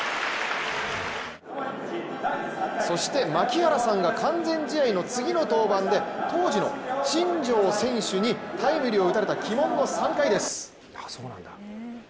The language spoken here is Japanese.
そして、槙原さんが完全試合の次の登板で当時の新庄選手にタイムリーを打たれた鬼門の３回です。